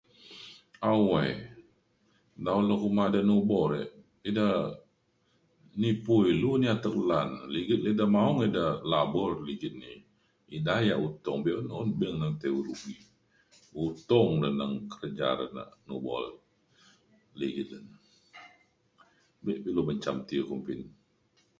awai dau lu koma de nubo re ida nipu ilu ni atek lan ligit eda maong eda labur ligit ni eda yek untung be'un le tai lugi untung le neng kereja jek nubo ligit le bik pilu mencam ti.